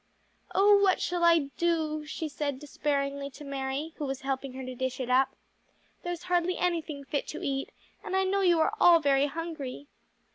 "Oh what shall I do?" she said despairingly to Mary, who was helping her to dish it up. "There's hardly anything fit to eat, and I know you are all very hungry."